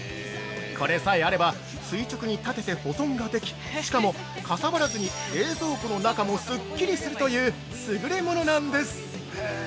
これさえあれば、垂直に立てて保存ができしかも、かさばらずに冷蔵庫の中もすっきりするという優れものなんです。